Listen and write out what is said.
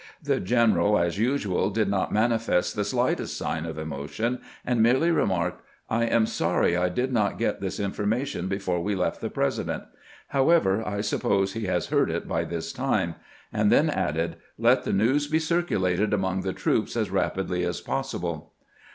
The general, as usual, did not manifest the slightest sign of emotion, and merely remarked: "I am sorry I did not get this information before we left the President. However, I suppose he has heard it by this time "; and then added :" Let the news be circulated among the troops as rapidly as possible."